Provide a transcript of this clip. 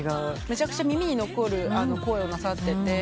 めちゃくちゃ耳に残る声をなさってて。